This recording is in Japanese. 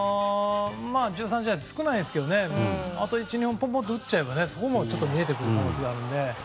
残り１３試合は少ないですけどあと１、２本打っちゃえばそれも見えてくる可能性があるので。